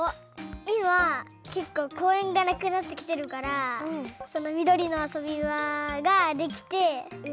いまけっこうこうえんがなくなってきてるからそのみどりのあそびばができてうんどうしたりやきゅうしたい。